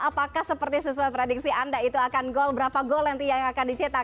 apakah seperti sesuai prediksi anda itu akan gold berapa gold yang akan dicetak